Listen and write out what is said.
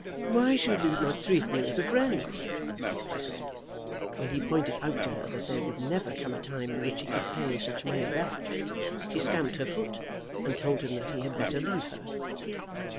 "Why should you not treat me as a friend?" she said. When he pointed out to her that there would never come a time in which he could pay such money back, she stamped her foot and told him that he had better leave her.